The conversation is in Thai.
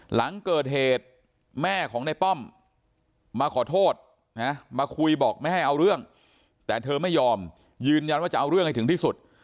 หลังเกิดเหตุแม่ของในป้อมมาขอโทษนะมาคุยบอกไม่ให้เอาเรื่องแต่เธอไม่ยอมยืนยันว่าจะเอาเรื่องให้ถึงที่สุด